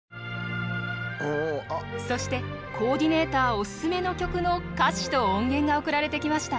そしてコーディネーターおすすめの曲の歌詞と音源が送られてきました。